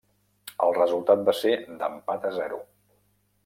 El resultat va ser d'empat a zero.